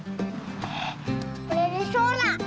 これがそうだ！